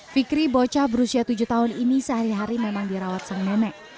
fikri bocah berusia tujuh tahun ini sehari hari memang dirawat sang nenek